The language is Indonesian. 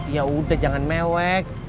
ya udah jangan mewek